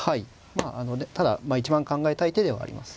まあただ一番考えたい手ではあります。